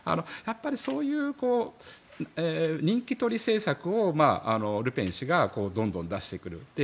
やっぱりそういう人気取り政策をルペン氏がどんどん出してくる。